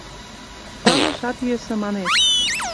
Палашат йӧсӧ, манеш.